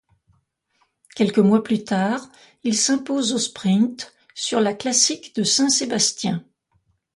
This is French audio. Quelques mois plus tard, il s'impose au sprint sur la Classique de Saint-Sébastien.